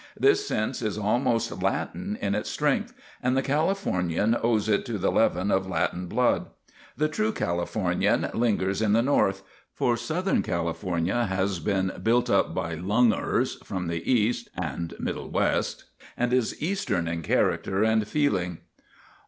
This sense is almost Latin in its strength, and the Californian owes it to the leaven of Latin blood. The true Californian lingers in the north; for southern California has been built up by "lungers" from the East and middle West and is Eastern in character and feeling.